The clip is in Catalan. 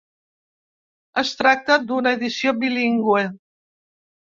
Es tracta d’una edició bilingüe.